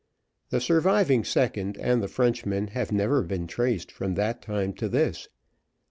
The surviving second and the Frenchman have never been traced from that time to this.